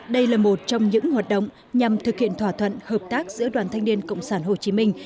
đây là một trong những hoạt động nhằm thực hiện thỏa thuận hợp tác giữa đoàn thanh niên cộng sản hồ chí minh